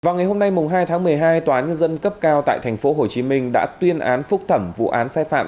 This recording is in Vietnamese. vào ngày hôm nay hai tháng một mươi hai tòa nhân dân cấp cao tại tp hcm đã tuyên án phúc thẩm vụ án sai phạm